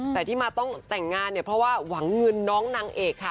แต่ที่มาต้องแต่งงานเนี่ยเพราะว่าหวังเงินน้องนางเอกค่ะ